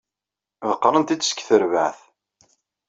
Ḍeqqren-t-id seg terbaɛt.